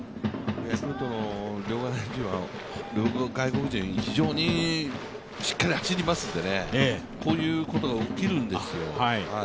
両外国人は非常にしっかり走りますのでこういうことが起きるんですよ。